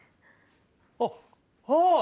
あっああっ！